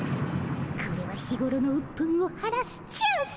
これは日ごろのうっぷんを晴らすチャンス。